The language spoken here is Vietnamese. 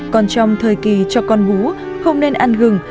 còn trong thời kỳ cho con gú không nên ăn gừng